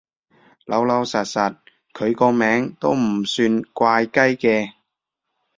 老老實實，佢個名都唔算怪雞嘅